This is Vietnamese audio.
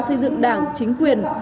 xây dựng đảng chính quyền